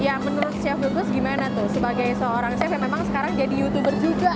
ya menurut chef lucus gimana tuh sebagai seorang chef yang memang sekarang jadi youtuber juga